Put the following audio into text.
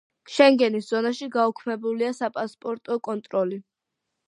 შენგენის ზონაში გაუქმებულია საპასპორტო კონტროლი.